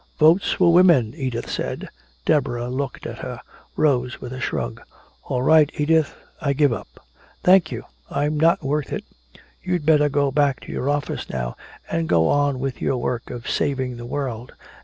_" "Votes for women," Edith said. Deborah looked at her, rose with a shrug. "All right, Edith, I give up." "Thank you. I'm not worth it. You'd better go back to your office now and go on with your work of saving the world.